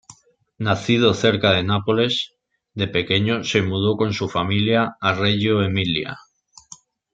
Nacido cerca de Nápoles, de pequeño se mudó con su familia a Reggio Emilia.